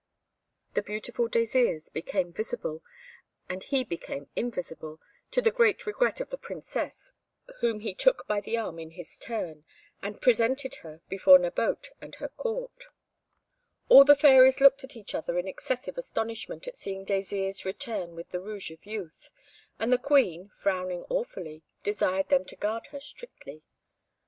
The beautiful Désirs became visible, and he became invisible, to the great regret of the Princess, whom he took by the arm in his turn, and presented her before Nabote and her Court. All the fairies looked at each other in excessive astonishment at seeing Désirs return with the Rouge of Youth, and the Queen, frowning awfully, desired them to guard her strictly.